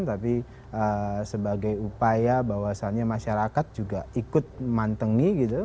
tapi sebagai upaya bahwasannya masyarakat juga ikut mantenggi gitu